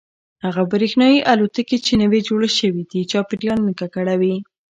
هغه برېښنايي الوتکې چې نوې جوړې شوي دي چاپیریال نه ککړوي.